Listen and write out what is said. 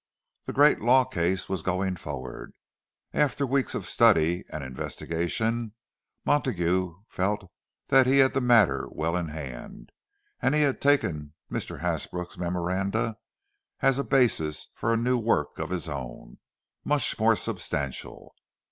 The great law case was going forward. After weeks of study and investigation, Montague felt that he had the matter well in hand; and he had taken Mr. Hasbrook's memoranda as a basis for a new work of his own, much more substantial.